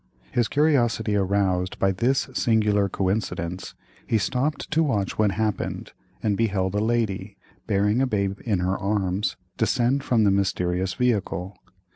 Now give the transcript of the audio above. His curiosity aroused by this singular coincidence, he stopped to watch what happened, and beheld a lady, bearing a babe in her arms, descend from the mysterious vehicle.